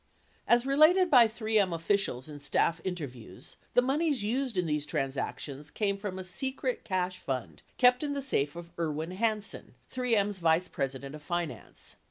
As related by 3M officials in staff interviews, the moneys used in these transactions came from a secret cash fund kept in the safe of Irwin Hansen, 3M's vice president of finance.